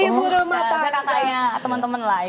ibu rumah tangganya temen temen lah